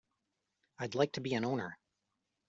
I'd like to be an owner.